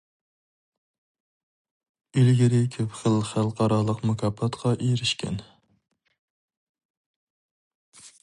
ئىلگىرى كۆپ خىل خەلقئارالىق مۇكاپاتقا ئېرىشكەن.